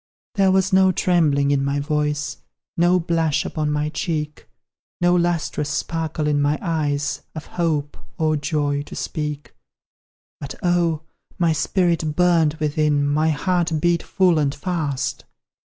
There was no trembling in my voice, No blush upon my cheek, No lustrous sparkle in my eyes, Of hope, or joy, to speak; But, oh! my spirit burned within, My heart beat full and fast!